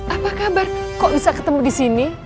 apa kabar kok bisa ketemu disini